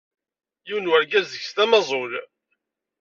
Yiwen wergaz deg-s d amaẓul.